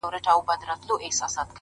ستا د تن سايه مي په وجود كي ده ـ